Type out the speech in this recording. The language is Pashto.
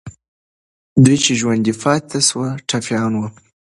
دوی چې ژوندي پاتې سول، ټپیان وو.